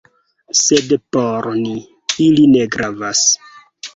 Sed por ni, ili ne gravas.